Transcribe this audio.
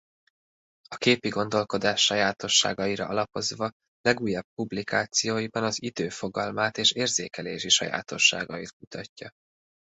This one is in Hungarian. A képi gondolkodás sajátosságaira alapozva legújabb publikációiban az idő fogalmát és érzékelési sajátosságait kutatja.